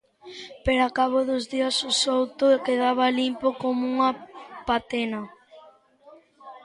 Pero ao cabo dos días o souto quedaba limpo como unha patena.